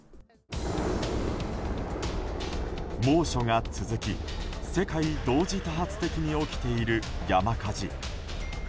猛暑が続き、世界同時多発的に起きている山火事。